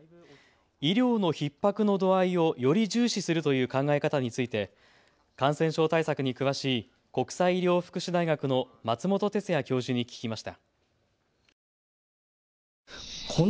医療のひっ迫の度合いをより重視するという考え方について感染症対策に詳しい国際医療福祉大学の松本哲哉教授に聞きました。